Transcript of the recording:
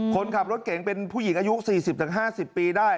คนขับรถเก่งเป็นผู้หญิงอายุ๔๐๕๐ปีได้